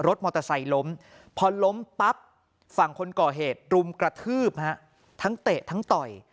รถมอเตอร์ไซค์ล้มพอล้มปั๊บฝั่งคนก่อเหตุรุมกระทืบฮะทั้งเตะทั้งต่อย